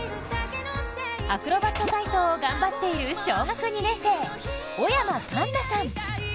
アクロバット体操を頑張っている小学２年生、尾山柑奈さん。